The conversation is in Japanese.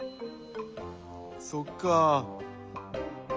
そっかあ。